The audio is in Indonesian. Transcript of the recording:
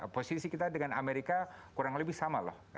posisi kita dengan amerika kurang lebih sama loh